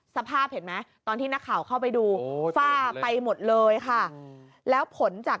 สภาพเห็นไหมตอนที่นักข่าวเข้าไปดูฝ้าไปหมดเลยค่ะแล้วผลจาก